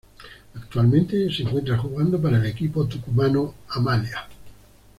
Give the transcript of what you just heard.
Actualmente se encuentra jugando para el equipo tucumano, Amalia.